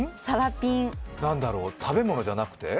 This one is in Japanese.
食べ物じゃなくて？